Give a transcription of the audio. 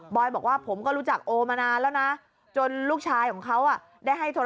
บอยบอกว่าผมก็รู้จักโอ๊ยมานานแล้วนะ